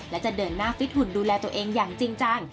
และจะเดินหน้าฟิตหุ่นดูแลตัวเองอย่างจริงจัง